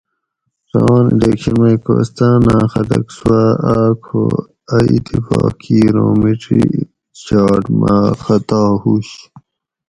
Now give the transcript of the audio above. روان الیکشن مئ کوہستاۤناۤں خلک سُواۤ آۤک ہو اۤ اتفاق کِیر اُوں میڄی چھاٹ مہ خطا ہُوش